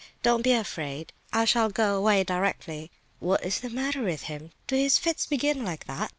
Don't be afraid; I shall go away directly." "What's the matter with him? Do his fits begin like that?"